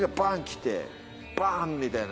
来てバン！みたいな。